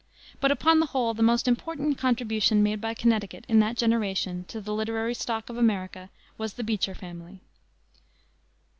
But, upon the whole, the most important contribution made by Connecticut in that generation to the literary stock of America was the Beecher family.